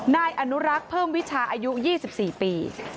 นายอนุรักษ์เพิ่มวิชาอายุ๒๔ปี